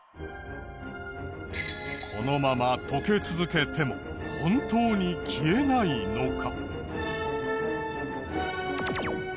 このまま溶け続けても本当に消えないのか？